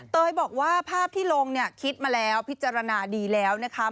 เตยบอกว่าภาพที่ลงเนี่ยคิดมาแล้วพิจารณาดีแล้วนะคะ